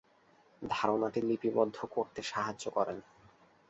ধারণাটি লিপিবদ্ধ করতে সাহায্য করেন।